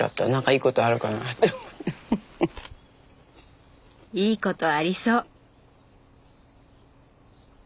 いいことありそう。